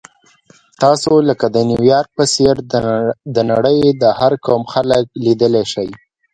تاسو لکه د نیویارک په څېر د نړۍ د هر قوم خلک لیدلی شئ.